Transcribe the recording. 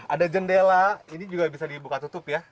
ada jendela ini juga bisa dibuka tutup ya